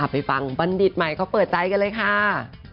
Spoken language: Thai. ไปฟังบัณฑิตใหม่เขาเปิดใจกันเลยค่ะ